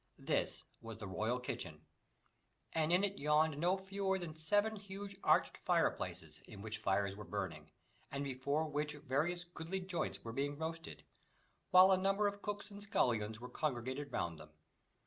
This was the royal kitchen, and in it yawned no fewer than seven huge arched fireplaces, in which fires were burning, and before which various goodly joints were being roasted, while a number of cooks and scullions were congregated round them.